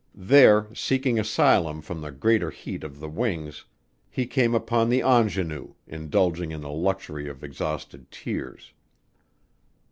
There, seeking asylum from the greater heat of the wings he came upon the ingenue, indulging in the luxury of exhausted tears.